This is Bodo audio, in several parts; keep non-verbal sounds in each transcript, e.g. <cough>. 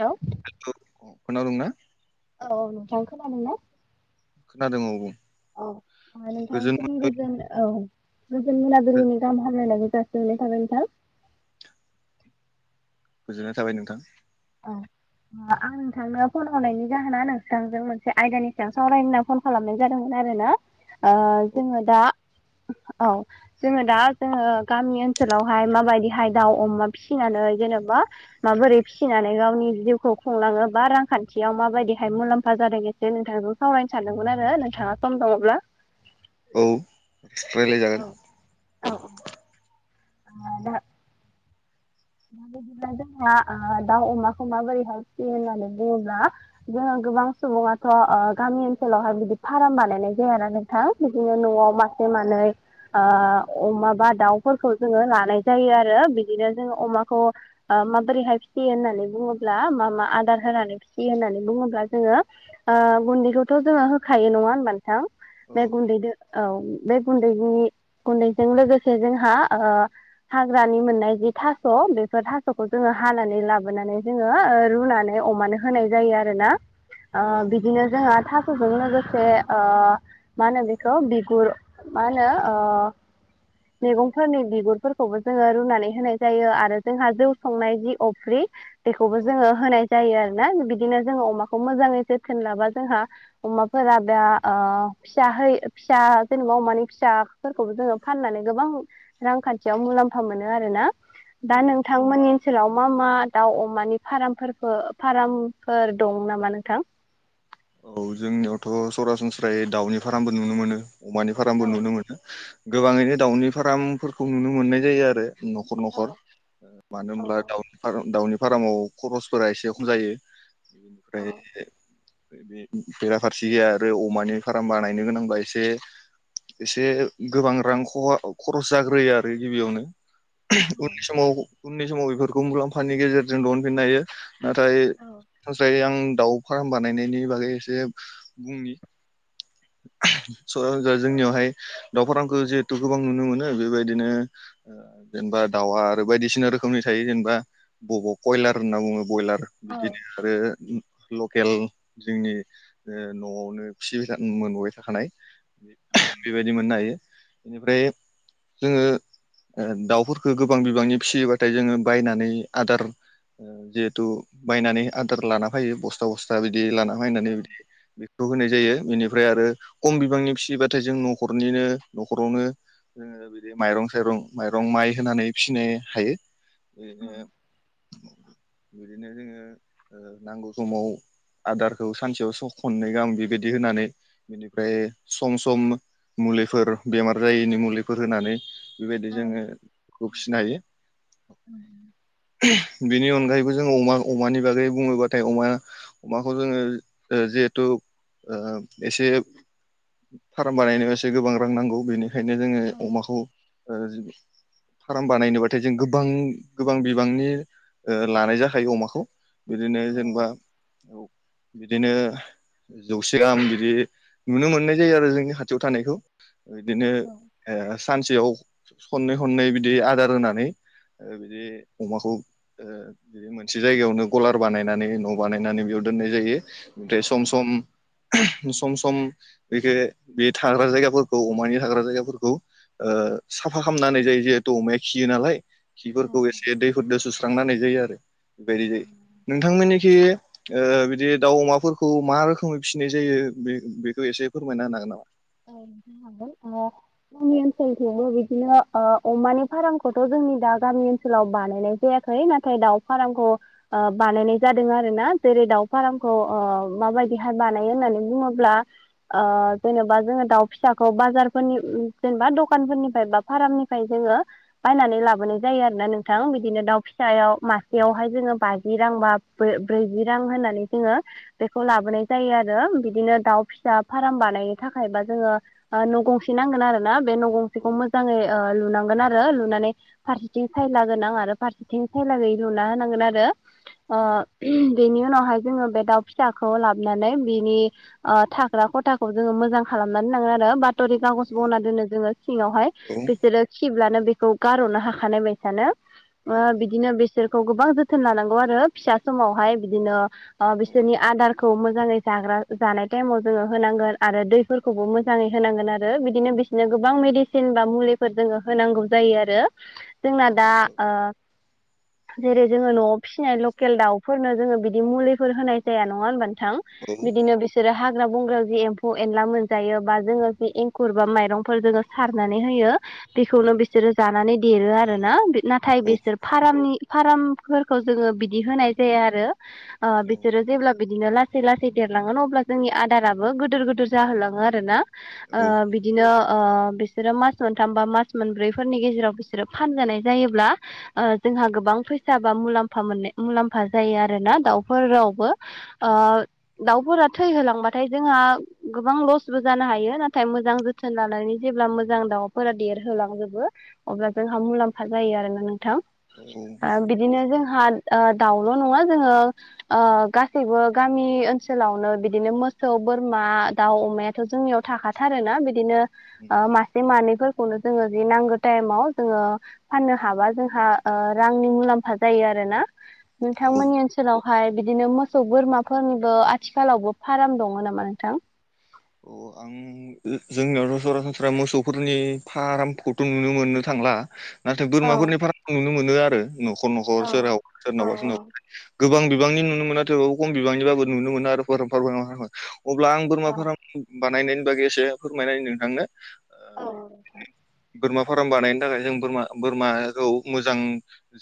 हेल' खनादोंना? औ औ नोंथां खोनादोंना? खोनादों आ औ नोंथांसिम गोजोन औ गोजोन मोनाबिनि गाहाम हामलायनाय गो जासि हरनाय थाबाय नोंथां। गोजोननाय थाबाय नोंथां। औ। आं नोंथांनो फन हनायनि जाहोना नोंसांजों मोनसे आयदानि सां सावराय होनना फन खालामनाय जादोंमोन आरो ओ जोङो दा औ जोङो दा जोङो गामि ओनसोलावहाय माबायदिहाय दाउ अमा फिसिनानै जेनेबा माबोरै फिसिनानै गावनि जिउखौ खुंलाङो बा रांखान्थियाव माबायदिहाय मुलाम्फा जादों एसे नोंथांखौ खावरायनो सानदों। सानदोंमोन आरो नोंथाङा सम दङब्ला औ रायलायजागोन। आ दा माबायदिब्ला जोंहा दाउ अमाखौ माबोरै हेल्प फैयो होननानै बुङोब्ला जो गोबां सुबुङाथ' गामि ओनसोलावहाय बिदि फार्म बानायनाय जायाना नोंथां। बिदिनो औ न'आव औ मासे मानै अमाबा दाउफोरखौ जोङो लानाय जायो आरो बिदिनो जोङो अमाखौ माबोरैहाय फिसियो होननानै बुङोब्ला मा मा आदार होनानै फिसियो होननानै बुङोब्ला जोङो गुन्दैखौथ' जोङो होखायो नङा होनबा नोंथां? बे गुन्दैजों औ बे गुन्दैनि गुन्दैजों लोगोसे जोंहा हाग्रानि मोननाय जि थास थास' बेफोर थास'खौ जोङो हानानै लाबोनानै जोङो रुनानै अमानो होनाय जायो आरोना औ बिदिनो जोंहा थोजों लोगोसे मा होनो बेखौ बिगुर मा होनो मैगंफोरनि बिगुरफोरखौबो जोङो रुनानै होनाय जायो आरो जोंहा जौ संनाय जि अफ्रि बेखौबो औ जोङो होनाय जायो आरोना बिदिनो जोङो अमाखौ मोजाङैसो थोनलाबा जोंहा अमाफोरा बे ओ फिसा फिसा जेनेबा अमानि फिसाफोरखौबो जोङो फाननानै गोबां रांखान्थियाव मोन। मुलाम्फा मोनो आरोोना औ दा नोंथमोननि ओनसोलाव मा मा दाउ अमानि फार फार्मफोर दं नामा नोंथां। <inaudible> औ जोंनियावथ' सरासनस्रायै दाउनि फार्मबो नुनो मोनो। अमानि औ फार्मबो नुनो मोनो गोबाङैनो दाउनि फार्ामफोरखौ नुनो मोननाय जायो आरो न'खर न'खर मानो औ होनोमब्ला दाउनि फार्माव खरसफोरा एसे एखम जायो औ बेनिफ्राय बे बेराफारसे गैया आरोओरै अमानि फार्ाम बाानायनायनो गोनांबा एसे एसे गोबां रां खरस जाग्रोयो आरो गिबियावनो उननि समाव उननि समाव बेफोरखौ मुलाम्फानि गेजेरजों दिहुनफिननो हायो। नाथायसाय आं दाउ फार्म बानायनायनि बागै एसे बुंनि स जोंनियावहाय दाउ फारांखौ जिहेथु गोबां नुनो मोनो बेबायदिनो जेनेबा दाउआ आरो बायदिसिना रोखोमनि थायो जोंना बयलारर होनना बुङो बयलार बिदिनो आरो लकेल जोंनि न'आवनो फिसिबाय मोनबोबाय थाखानाय बेबायदि मोननो हायो। बेनिफ्राय जोङो दाउफोरफोरखौो गोबां बिबांनि फिसियोबाथाय जोङो बायनानै आदार जिहेतु बायनानै आदार लाना फैयो बस्था बस्था बिदि बिदि लाना हा होननानै बिदि बेखौ होनाय जायो। बेनिफ्राय आरो खम बिबांनि फिसिबाथाय जों न'खरनिनो न'खरावनो जोङो बिदि माइरं साइरं माइरं माइ होनानै फिसिनो हायो। बिरैनो बिदिनो जोङो नांगौ समाव आदारखौ सानसेयाव खननै ग आं बेबायदि होनानै बिनिफ्राय सम सम मुलै बेमारफोर जायैनि मुलिफोर होनानै बेबायदि जोङो फिसिनो हायो। बेनि अनगायैबो जोंङ अमा अमानि बागै बुङोब्लाथाय अमाया अमाखौ जोङो जिहेथु एसे फार्म बानायनायाव एसे गोबां रां नांगौ बेनिखायनो जोङो अमाखौ फार्म बानायनोबाथाय जों गोबां गोबां बिबांनि लानाय जाखायो अमाखौ बिदिनो जेनबा बिदिनो जौसे गाहाम बिदि नुनो मोननाय जायो आरो जोंनि खाथियाव थानायखौ। बिदिनो सानसेयाव खननै खननै बिदि आदार होनानै बिदि अमाखौ बि मोनसे जायगायावनो गलार बानायनानै न'आव बानायनानै बेयाव दोननाय जायो। ओमफ्राय सम सम सम सम बेदि बे थाग्रा जायगाफोरखौ अमानि थाग्रा जायगाफोरखौ साफा खालामनानै जायो। जिहेतु अमाया खियो नालाय खिफोरखौ एसे दैफोरजों सुस्रांना होननाय जायो आरो बेबायदि जायो नोंथांमोननि बिदि ओ दाउ अमाफोरखौ मा रोखोमै फिसिनाय जायो बे बेखौ एसे फोरमायना होन हागोन नामा? औ जागोन जोंनि ओनसोलखौबो बिदिनो ओ अमानि फार्मखौथ' जों जोंनि दा गामि ओनसोलाव बानायनाय जायाखै नाथाय दाउ फारामखौ बानायनाय जादों आरोना। जेरै दाउ फारामखौ माबायदिहाय बानायो होननानै बुङोब्ला ओ जेनेबा जोङो दाउ फिसाखौ बाजारफोरनि जेनेबा दखानफोरनिफ्राय बा फाराममनिफ्राय जोङो बायनानै लाबोनाय जायो आरोना नोंथां बिदिनो दाउ फिसायाव मासेयावहाय जोङो बाजि रां बा ब्रैजि रां होननानै जोङो बेखौ लाबोनाय जायो आरो बिदिनो दाउ फिसा फाराम बानायनो थाखाय थाखायबा जोङो न' गंसे नांगोन आरो ना बे न' गंसेखौ मोजाङै ओ लुनांगोन आरो लुनानै फारसेथिं सायला गोनां आरो फारसेथिं सायलागैयै लुना होनांगोन आरो। नामा? बेनि उनावहाय जोङो बे दाउ फिसाखौ लाबोनानै बिनि ओ थाग्रा खथाखौ जोङो मोजां खालामनानै लााङो आरो बाथ'रि खागज औ बना दोनो जोङो सिङावहाय औ बिसोरो खि ब्लानो बेखौ गारह'नो हाखानाय बायसानो। बिदिनो बे बिसोरखौ गोबां जोथोन लानांगौ आरो फिसा समावहाय बिदिनो बिसोरनि आदारखौ मोजाङै जायो। जाग्रा जानाय टाइमयाव होनांगोन आरो दै। फोरखौबो मोजाङै होनांगोन आरो बिदिनो बिसोरनो गोबां मेडिसिन बा मुलिफोर जोङो होनांगौ जायो आरो। <unintelligible> जोंना दा ओ जेरै जोङो न'आव फिसिनाय लकेल दाउफोरनो जोङो बिदि मुलिफोर होनाय जाया नङा होनबा नोंथां औ बिदिनो बिसोरो हाग्रा बंग्रा एमफौ एला जायो बा जोङो जि एंखुर बा माइरंफोर जोङो सारनानै होयो। बेखौनो बिसोरो जानानै देरो आरो ना नाथाय औ बेसोर फारामनि फारामफोरखौ जोङो बिदि होनाय जाया आरो। ओ औ बिसोरो जेब्ला बिदिनो लासै लासै देरलांगोन अब्ला जोंनि आदाराबो गिदोर गिदोर जाहोलां गोन आरोना ओ बिदिनो ओ बिसोरो मास मोनथाम बा मास मोनब्रैफोरनि गेजेराव बिसोरो फानजानाय जायोब्ला। जोंहा गोबां फैसा बा मुलामफा मोननाय मुलामफा जायो आरोना दाउफोरावबो ओ दाउफोरा थै होलांबाथाय जोंहा गोबां लस जानो हायो नाथाय मोजां जोथोन लानानै जेब्ला मोजां दाउफोरा देरहोलांजोबो अब्ला जों। जोंहा मुलामफा जायो आरोना नोंथां औ बिदिनो जोंहा ओदाउल' नङा जोङो ओ गासैबो गामि ओनसोलावनो बिदिनो मोसौ। बोरमा दाउ अमायाथ' जोंनियाव थाखाथारोना बिदिनो मासे मानै। खौनो जोङो ज नांगौ टाइमाव जोङो फाननो हाबा जोंहा रांनि मुलामफा जायो आरो। आरोना औ औ नोंथांमोननि ओनसोलाव। ओमफ्राय बिदिनो मोसौ बोरमाफोरनिबो आथिखालावबो फाराम दङ नामा नोंथां? आं जोंनियावथ' सरासनस्रा मोसौफोरनि फारामखौथ' नुनो मोननो थांला नाथाय बोरमाफोरनि फारामखौ नुनो मोनो आरो न'खर न'खर सोरहाव सोरनावबा सोरनावबा। गोबां बिबांनि नुनो मोना थेवबाबो खम बिबांनिबाबो नुनो मोना आरो फाराम अब्ला आं बोरमा फाराम बानायनायनि बागै एसे फोरमायना होनि नोंथांनो औ नोंथां। बोरमा फाराम बानायनो थाखाय जों बोरमा बोरमाखौ मोजां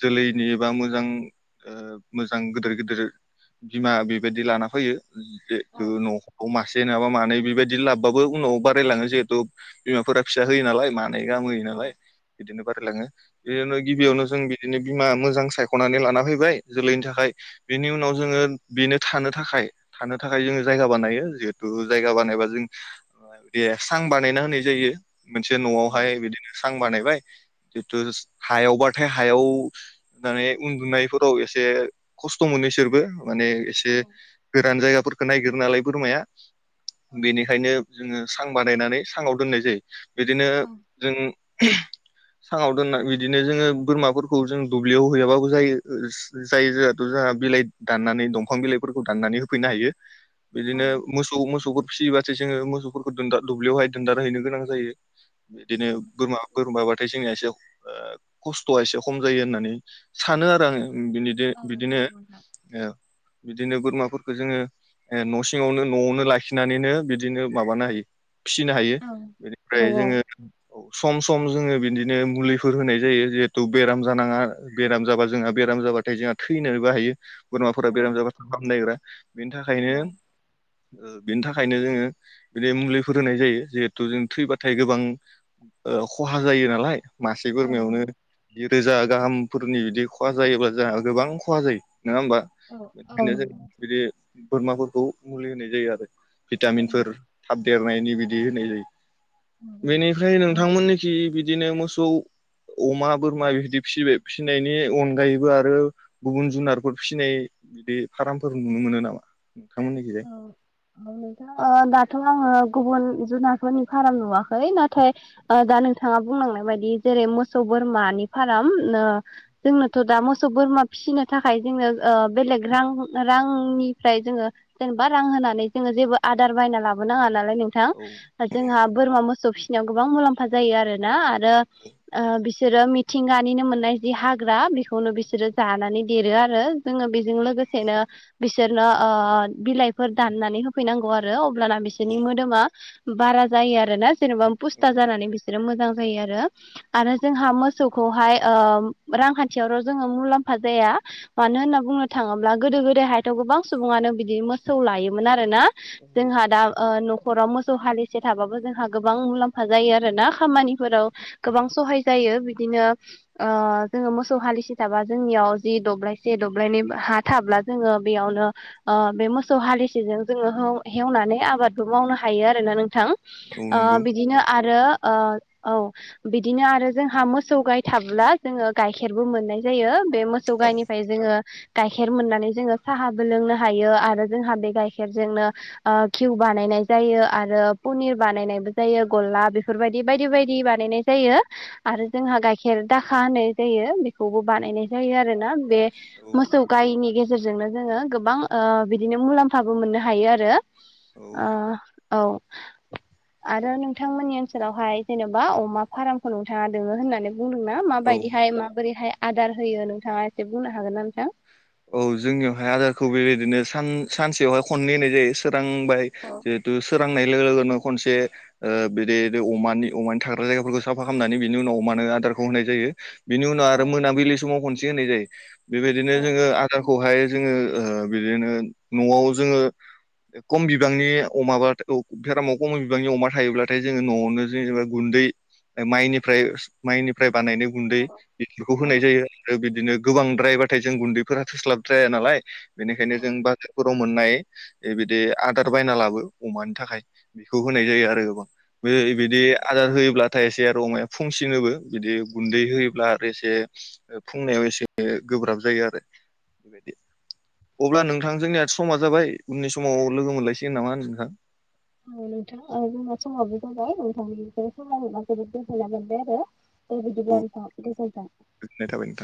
जोलैनि एबा मोजां। ओ मोजां गिदिर गिदिर बिमा बेबायदि लाना फैयो। जेहुथु न'आव मासे नङाबा मानो। बेबायदि लाबाबो उनाव बारायलाङो जिहेथु बिमाफोरा फिसा होयो नालाय मा नै गाहाम होयो नालाय बिदिनो बारायलाङो बिदिनो गिबियाव जों बिबायदिनो बिमा मोजां सायख'नानै लाना फैबाय जोलैनि थाखाय बिनि उनाव जोङो बेनो थानो थाखाय। थानो थाखाय जोङो जायगा बानायो जिहेतु जायगा बानायबा जों बे सां बानायना होनाय जायो। मोनसे न'आवहाय बिदिनो सां बानाय। बाय जितु हायावबाथाय हायाव माने उन्दुनायफोराव एसे खसथ' मोनो इसोरबो माने एसे गोरान जायगाफोरखौ नायगिरो नालाय बोरमाया बेनिखायनो जोङो सां बानायनानै सांआव दोननाय जायो बिदिनो जों। <unintelligible> साङाव दोनना बिदिनो जोङो बोरमाफोरखौ जों दुब्लियाव हैयाबाबो जायो जायो जोंहाथ' जों बिलाइ दाननानै दंफां बिलाइफोरखौ दाननानै होफैनो हायो। बिदिनो मोसौ मोसौफोर फिसियोबथायो जोङो मोसौफोरखौ दुब्लियावहाय दोनदार हैैनो गोनां जायो। बिदिनो बोरमा बोरमा बाथ' नाथाय जोंनिया एसे खस्थ'आ एसे खम जायो होननानै सानो आरो आङो। बि बिदिनो। बिदिनो बोरमाफोरखौ जोङो न' सिङावनो न'आवनो लाखिनानैनो बिदिनो माबानो हायो। फिसिनो हायो बेनिफ्राय औ औ जोङो। सम सम जोङो बिदिनो मुलिफोर होनाय जायो जिहेथु बेराम जानाङा बेराम जाबा जोंहा बेर बेराम जाबाथाय जोंहा थैनोबो हायो बोरमाफोरा बेराम जाबा हामलनायग्रा बेनि थाखायनो बेनि थाखायनो जोङो बिदि मुलिफोर होनाय जायो जिहेथु जों थैबाथाय गोबां। खहा जायो नालाय मासे बोरमायावनो बि रोजा गाहामफोरनि बिदि खहा जायोब्ला जोंहा गोबां खहा जायो। नङा होमबानाय जायो बिदि बोरमाफोरखौ मुलि होनाय जायो आरो। भिटामिनफोर थाब देरनायनि बिदि होनाय जायो बेनिफ्राय नोंथांमोननोखि बि बिदिनो मोसौ अमा बोरमा बेबायदि फिबाय फिसिनायनि अनगायैबो आरो गुबुन जुनारफोर फिसिनाय। बिदि फार्मफोर नुनो मोनो नामा नोंथांमोननि गेजेर नोंथां दाथ' आङो गुबुन जुनारफोरनि फाराम नुवाखै नाथाय। दा नोंथाङा बुंलांनाय बायदि जेरै मोसौ बोरमानि फार्म जोंनोथ' दा मोसौ बोरमा फिसिनो थाखाय जोङो बेलेग रां रांनिफ्राय जोङो जेनेबा रां होनानै जोङो जेबो आदार बायना लाबोनाङा नालाय नोंथां औ जोंहा बोरमा मोसौ याव गोबां मुलाम्फा जायो आरो ना आरो बिसोरो मिथिंगानिनो मोननाय जि हाग्रा बेखौनो बिसोरो जानानै देरो आरो जोङो बेजों लोगोसेनो बिसोरनो ओ बिलाइफोर दाननानै होफैनांगौ आरो अब्लाना औ बिसोरनि मोदोमा बारा जायो आरो ना जेनेबा पुस्था जानानै बिसोरो मोजां जायो आरो आरो जोंहा मोसौखौहाय रांखान्थियावल' जोङो मुलाम्फा जाया मानो होनना बुंनो थाङोब्ला गोदो गोदायहायथ' गोबां सुबुङानो बि बि मोसौ लायोमोन आरोोना औ जोंहा दा न खराव मोसौ हालिसे थाबाबो जोंहा गोबां मुलाम्फा जायो आर ना खामानिफोराव गोबां सहाय जायो बिदिनो जोङो मोसौ हालिसि थाबा जोंनियाव जि दब्लायसे दब्लायनि हा थाब्ला जोङो बेयावनो ओ बे मोसौ हालिसेजों जोङो हो हेवनानै आबादबो मावनो हायो आरोना नोंथां औ ओ नंगौ बिदिनो आरो ओ औ बिदिनो आरो जोंहा मोसौ गाय थाब्ला जोङो गाइखेरबो मोननाय जायो बे मोसौ औ गायनिफ्राय जोङो गाइखेर मोननानै जोङो साहाबो लोंनो हायो आरो जोंहा बे गाइखेरजोंनोिउ बानायनाय जायो आरो पनिर बानायनाय बो जायो गलला बेफोरबायदि बायदि बायदि बानायनाय जायो आरो औ जोंहा गाइखेर दाखा होनाय जायो बेखौबो बानायनाय जायो आरो ना बे औ मोसौ गायनि गेजेरजोंनो जोङो गोबां ओ बिदिनो मुलाम्फाबो मोननो हायो आरो औ ओ औ आरो नोंथांमोननि ओनसोलावहाय जेन'बा अमा फार्मखौ नोंथाङा दङो होननानै बुंदों ना औ माबायदिहाय माबोरैहाय आदार होयो नोंथाङा एसे बुंनो हागोन ना नोंथां औ जोंनियावहाय आदारखौ बेबायदिनो सान सानसेयावहाय खननै होनाय जायो सोरांबाय जिहेतु सोरांनाय लोगो लोगोनो खनसे बे अमानि अमानि थाग्रा जायगाफोरखौ साफा खालामनानै बिनि उनाव अमानो आदारखौ होनाय जायो बिनि उनाव आरो मोनाबिलि समाव खनसे होनाय जायो बेबाय जोङो ओ बिदिनो न'आव जोङो खम बिबांनि अमाब्लाथाय बेरामाव खम बिबांनि अमा थायोब्लाथाय जोङो न'आवनो जेनेबा गुन्दै माइनिफ्राय माइनिफ्राय बानायनो गुन्दै बेफोरखौ होनाय जायो आरो बिदिनो गोबां द्राइभा थाय जों गुन्दैफोरा थोस्लाब द्राया नालाय बेनिखायनो जों बाजारफोराव मोननाय दे बिदि आदार बायना लाबो अमानि थाखाय बेखौ होनाय जायो आरो बै बिदि आदार होयोब्लाथाय एसे आरो अमायाबो फुंसिनोबो बिदि गुन्दै होयोब्ला आरो एसे फुंनायाव एसे गोब्राब जायो आरो <unintelligible> अब्ला नोंथां जोंनिया समा जाबाय उननि समाव लोगो मोनलायसिगोन नामा नोंथां औ नोंथां ओ जोंना समाबो जाबाय नोंथांनिफ्राय सावरायनो मोनना जोबोद गोजोननाय मोनबाय आरो दे औ बिदिब्ला नोंथां गोजोनथों गोजोननाय थाबाय नोंथां